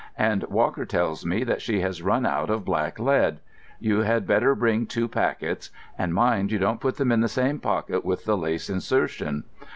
And Walker tells me that she has run out of black lead. You had better bring two packets; and mind you don't put them in the same pocket with the lace insertion.